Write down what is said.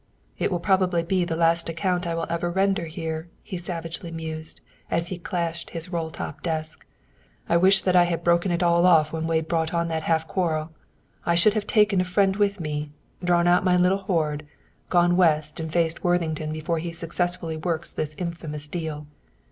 "It will probably be the last account I will ever render here," he savagely mused, as he clashed his roll top desk. "I wish that I had broken it all off when Wade brought on the half quarrel. I should have taken a friend with me, drawn out my little hoard, gone West and faced Worthington before he successfully works this infamous deal.